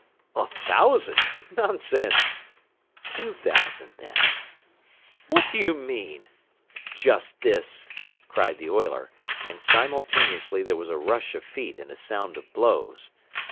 "A thousand! Nonsense " "Two thousand, then." "What do you mean " "Just this!" cried the oiler, and simultaneously there was a rush of feet and a sound of blows.